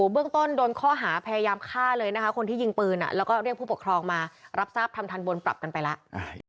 เบื้องต้นโดนข้อหาพยายามฆ่าเลยนะคะคนที่ยิงปืนแล้วก็เรียกผู้ปกครองมารับทราบทำทันบนปรับกันไปแล้ว